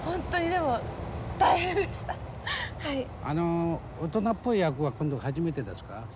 あの大人っぽい役は今度が初めてですか？